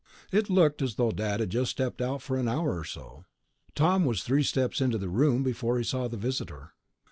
It looked as though Dad had just stepped out for an hour or so. Tom was three steps into the room before he saw the visitor.